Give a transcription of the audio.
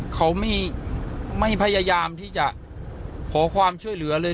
เขาไม่พยายามที่จะขอความช่วยเหลือเลย